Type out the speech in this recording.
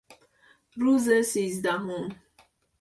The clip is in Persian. روز سیزدهم